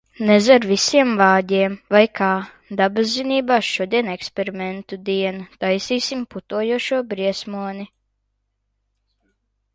Nez ar visiem vāģiem, vai kā? Dabaszinībās šodien eksperimentu diena. Taisīsim putojošo briesmoni.